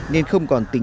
nên không còn tự nhiên